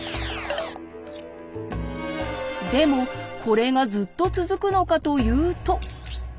でもこれがずっと続くのかというと。